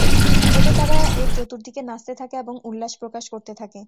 এতে তারা এর চতুর্দিকে নাচতে থাকে এবং উল্লাস প্রকাশ করতে থাকে।